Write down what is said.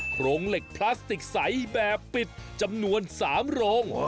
โครงเหล็กพลาสติกใสแบบปิดจำนวน๓โรง